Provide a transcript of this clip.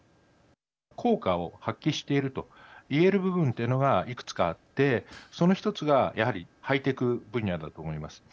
効果を発揮していると言える部分というのがいくつかあってその１つがやはりハイテク分野だと思います。